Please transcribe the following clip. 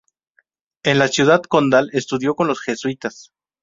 En la Ciudad Condal estudió con los jesuitas.